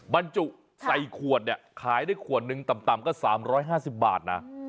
บรรจุใส่ขวดเนี่ยขายได้ขวดนึงต่ำก็๓๕๐บาทนะ